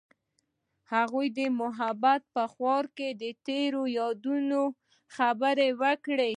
هغوی د محبت په خوا کې تیرو یادونو خبرې کړې.